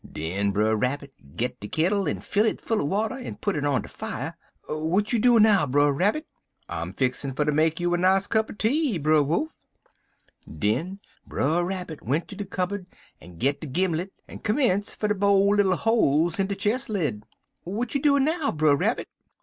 "Den Brer Rabbit git de kittle en fill it full er water, en put it on de fier. "'W'at you doin' now, Brer Rabbit?' "'I'm fixin fer ter make you a nice cup er tea, Brer Wolf.' "Den Brer Rabbit went ter de cubberd en git de gimlet, en commence for ter bo' little holes in de chist lid. "'W'at you doin' now, Brer Rabbit?'